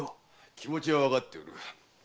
気持ちはわかっておる。